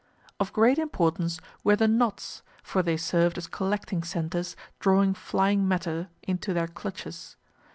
Of great importance were the "knots," for they served as collecting centres drawing flying matter into their clutches.